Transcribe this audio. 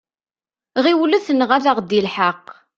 Ɣiflet neɣ ad ɣ-d-yelḥeq!